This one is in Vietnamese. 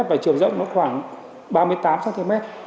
và chiều rộng nó khoảng ba mươi tám cm